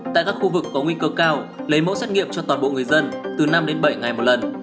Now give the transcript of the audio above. tại các khu vực có nguy cơ cao lấy mẫu xét nghiệm cho toàn bộ người dân từ năm đến bảy ngày một lần